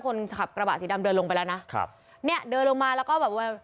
คนขับกระบะสีดำเดินลงไปแล้วนะครับเนี่ยเดินลงมาแล้วก็แบบว่า